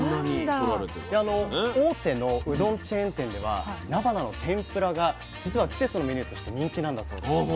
で大手のうどんチェーン店ではなばなの天ぷらが実は季節のメニューとして人気なんだそうです。